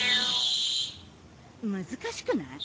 難しくない？